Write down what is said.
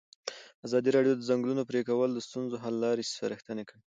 ازادي راډیو د د ځنګلونو پرېکول د ستونزو حل لارې سپارښتنې کړي.